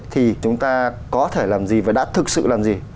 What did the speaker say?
thì chúng ta có thể làm gì và đã thực sự làm gì